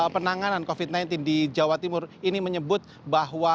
penanganan covid sembilan belas di jawa timur ini menyebut bahwa